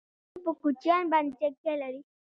افغانستان په کوچیان باندې تکیه لري.